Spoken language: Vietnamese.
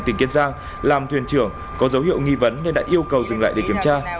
tỉnh kiên giang làm thuyền trưởng có dấu hiệu nghi vấn nên đã yêu cầu dừng lại để kiểm tra